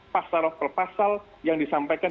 pasar pasar yang disampaikan